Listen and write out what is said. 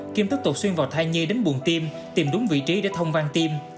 kim tất tục xuyên vào thai nhê đến buồn tim tìm đúng vị trí để thông vang tim